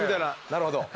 なるほど。